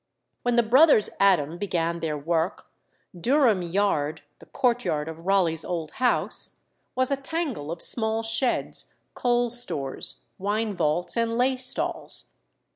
When the brothers Adam began their work, Durham Yard (the court yard of Raleigh's old house) was a tangle of small sheds, coal stores, wine vaults, and lay stalls.